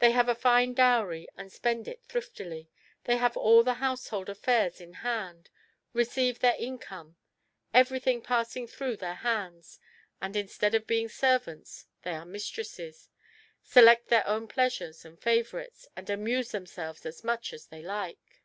They have a fine dowry and spend it thriftily, they have all their household affairs in hand, receive their income, everything passing through their hands; and instead of being servants they are mistresses, select their own pleasures and favourites, and amuse themselves as much as they like."